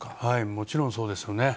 もちろん、そうですよね。